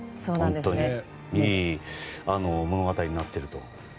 いい物語になっていると。